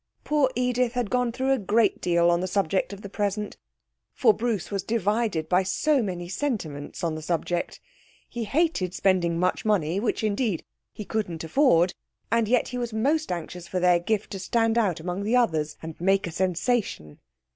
Poor Edith had gone through a great deal on the subject of the present, for Bruce was divided by so many sentiments on the subject. He hated spending much money, which indeed he couldn't afford, and yet he was most anxious for their gift to stand out among the others and make a sensation.